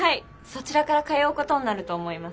そちらから通うことになると思います。